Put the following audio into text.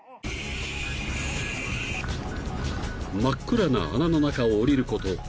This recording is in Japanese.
［真っ暗な穴の中を下りること２０ｍ］